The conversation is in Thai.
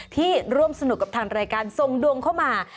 ร่วมสนุกกับทางรายการส่งดวงเข้ามา